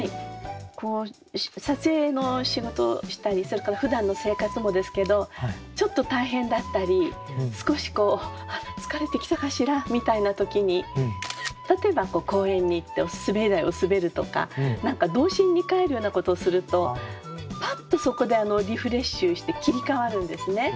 撮影の仕事したりそれからふだんの生活もですけどちょっと大変だったり少しこう「疲れてきたかしら」みたいな時に例えば公園に行って滑り台を滑るとか何か童心に返るようなことをするとパッとそこでリフレッシュして切り替わるんですね。